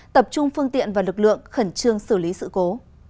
tập trung phương tiện và lực lượng khẩn trương xử lý sự cố